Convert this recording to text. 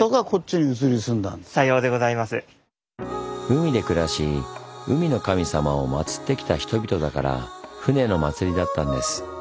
海で暮らし海の神様を祀ってきた人々だから船の祭りだったんです。